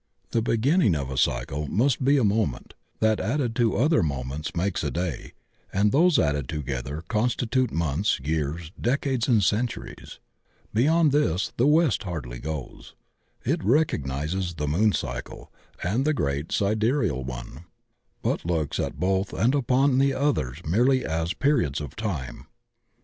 The beginning of a cycle must be a mo ment, that added to other moments makes a day, and those added together constitute months, years, decades and centuries. Beyond this the West hardly goes. It recognizes die moon cycle and the great sidereal one, but looks at both and upon the others merely as pe riods of time.